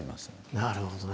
なるほどね。